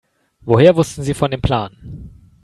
Woher wussten Sie von dem Plan?